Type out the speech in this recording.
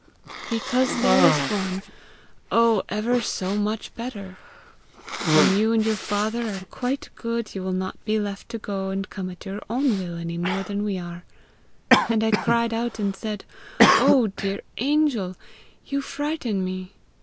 'Because there is one oh, ever so much better! When you and your father are quite good, you will not be left to go and come at your own will any more than we are.' And I cried out, and said, 'Oh, dear angel! you frighten me!'